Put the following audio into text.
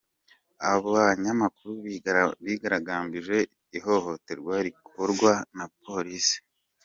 Abanyamakuru bigaragambirije ihohoterwa rikorwa na Polisi